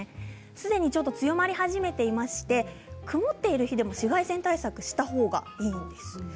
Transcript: すでにちょっと強まり始めていまして曇っている日でも紫外線対策をしたほうがいいんです。